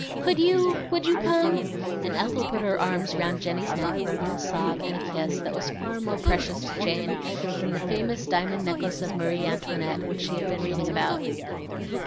Could you? would you come?" and Ethel put her arms round Jenny's neck with a little sob and a kiss that was far more precious to Jane than the famous diamond necklace of Marie Antoinette, which she had been reading about.